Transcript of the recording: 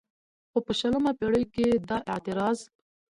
خو په شلمه پېړۍ کې دا اعتراض